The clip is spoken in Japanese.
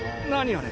あれ？